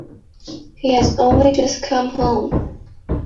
He has only just come home.